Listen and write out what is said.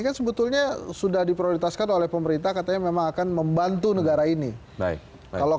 kan sebetulnya sudah diprioritaskan oleh pemerintah katanya memang akan membantu negara ini baik kalau